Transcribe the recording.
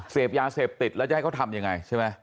เสพยาเสพติดแล้วจะให้เขาทำยังไงใช่ไหม